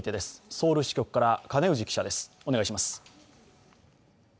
ソウル支局から金氏記者です。